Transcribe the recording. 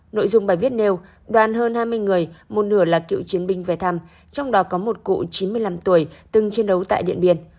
nội dung bài viết nêu đoàn hơn hai mươi người một nửa là cựu chiến binh về thăm trong đó có một cụ chín mươi năm tuổi từng chiến đấu tại điện biên